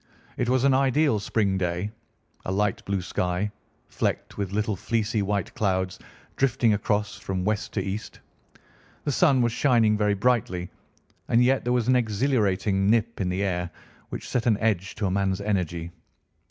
It was an ideal spring day, a light blue sky, flecked with little fleecy white clouds drifting across from west to east. The sun was shining very brightly, and yet there was an exhilarating nip in the air, which set an edge to a man's energy.